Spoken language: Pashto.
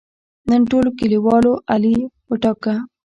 نن ټولو کلیوالو علي وټاکه.